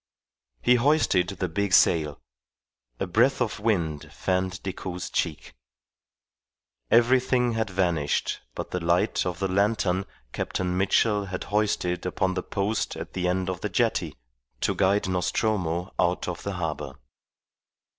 He hoisted the big sail; a breath of wind fanned Decoud's cheek. Everything had vanished but the light of the lantern Captain Mitchell had hoisted upon the post at the end of the jetty to guide Nostromo out of the harbour.